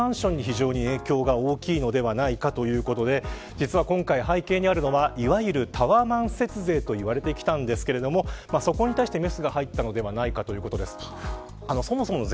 実は今回、背景にあるのはいわゆるタワマン節税と言われてきたんですけれどもそこに対してメスが入ったのではないかということです。